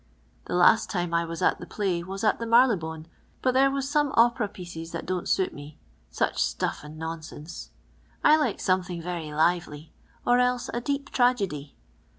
The last time 1 was at ttie play was at the Marylebone, but there was some o^iera pieces that don't suit me ; sucli stuff and nonsense. I like something very lively, or else a deep tragedy.